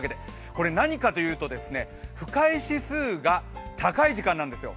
これ何かというと、不快指数が高い時間なんですよ。